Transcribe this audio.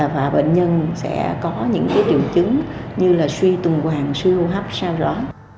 và bệnh nhân sẽ có những cái triệu chứng như là suy tùng hoàng suy hô hấp sao rõ